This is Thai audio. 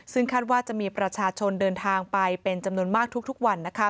ซึ่งคาดว่าจะมีประชาชนเดินทางไปเป็นจำนวนมากทุกวัน